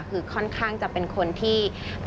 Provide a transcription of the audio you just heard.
คือค่อนข้างจะเป็นคนที่